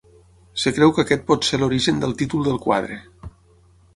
Es creu que aquest pot ser l'origen del títol del quadre.